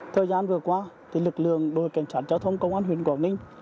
thời gian vừa qua lực lượng đối cảnh trạng giao thông công an huyện quảng ninh